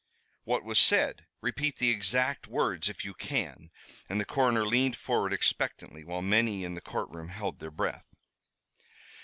"What was said? Repeat the exact words if you can," and the coroner leaned forward expectantly, while many in the courtroom held their breath.